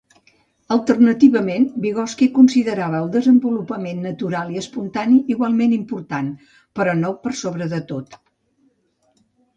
Alternativament, Vygotsky considerava el desenvolupament natural i espontani igualment important, però no per sobre de tot.